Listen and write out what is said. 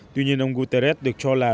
tuy nhiên ông guterres được cho là